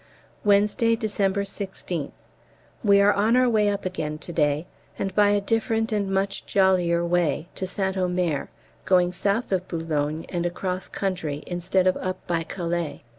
Wednesday, December 16th. We are on our way up again to day, and by a different and much jollier way, to St Omer, going south of Boulogne and across country, instead of up by Calais.